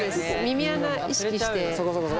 耳穴意識して。